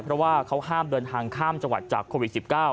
เพราะว่าเขาห้ามเดินทางข้ามจังหวัดจากโควิด๑๙